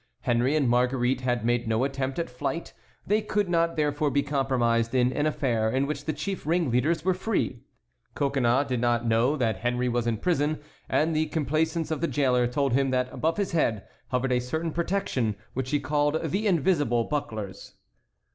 Henry and Marguerite had made no attempt at flight; they could not therefore be compromised in an affair in which the chief ring leaders were free. Coconnas did not know that Henry was in the prison, and the complaisance of the jailer told him that above his head hovered a certain protection which he called the invisible bucklers.